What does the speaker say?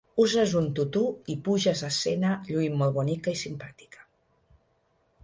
Uses un tutú i puges a escena lluint molt bonica i simpàtica.